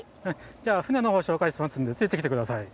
じゃあ船のほうしょうかいしますんでついてきてください。